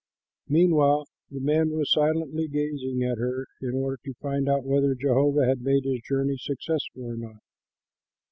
Meanwhile the man was silently gazing at her in order to find out whether Jehovah had made his journey successful or not.